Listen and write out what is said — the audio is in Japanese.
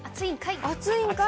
暑いんかい。